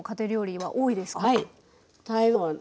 はい。